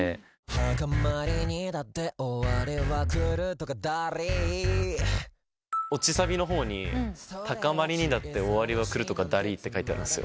「高まりにだって終わりは来るとかダりぃ」落ちサビの方に「高まりにだって終わりは来るとかダりぃ」って書いてあるんです。